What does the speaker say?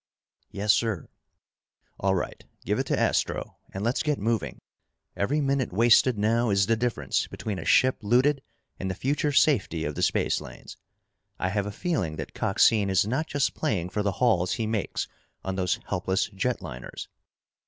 "Yes, sir." "All right, give it to Astro and let's get moving. Every minute wasted now is the difference between a ship looted and the future safety of the space lanes. I have a feeling that Coxine is not just playing for the hauls he makes on those helpless jet liners."